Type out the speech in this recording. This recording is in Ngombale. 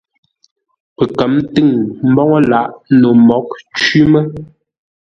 Pəkə̌m tʉ̂ŋ mboŋə́ lǎʼ no mǒghʼ cwí mə́.